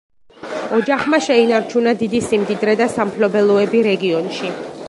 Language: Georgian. ოჯახმა შეინარჩუნა დიდი სიმდიდრე და სამფლობელოები რეგიონში.